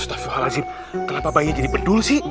astagfirullahaladzim kenapa bayinya jadi pedul sih